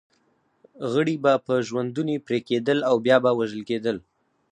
غړي به په ژوندوني پرې کېدل او بیا به وژل کېده.